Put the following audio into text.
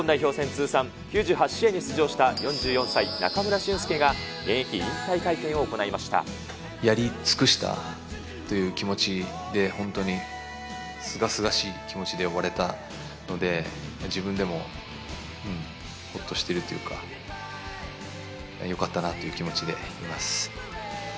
通算９８試合に出場した４４歳、中村俊輔が現役引退会見やり尽くしたという気持ちで本当にすがすがしい気持ちで終われたので、自分でもほっとしてるというか、よかったなという気持ちでいます。